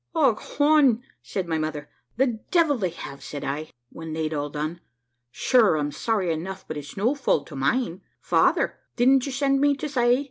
`Och hone!' said my mother. `The devil they have!' said I, when they'd all done. `Sure I'm sorry enough, but it's no fault of mine. Father, didn't you send me to say?'